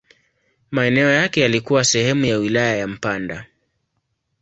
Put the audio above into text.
Maeneo yake yalikuwa sehemu ya wilaya ya Mpanda.